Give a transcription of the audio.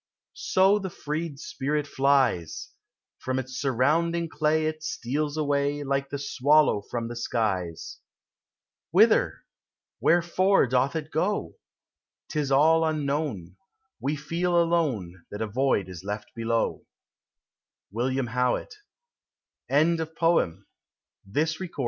So the freed spirit flies! From its surrounding clay It steals away Like the swallow from the ^i' ,v; . Whither? wherefore doth h 'T is all unknot o ; W'e feel alone That a void is left l>< l"w ■ WILLI \ M \\n\\ \ 332 POEMS OF XATURE.